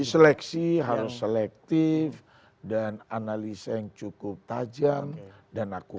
diseleksi harus selektif dan analisa yang cukup tajam dan akurat